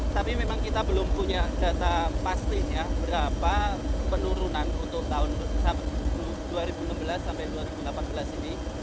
tapi memang kita belum punya data pastinya berapa penurunan untuk tahun dua ribu enam belas sampai dua ribu delapan belas ini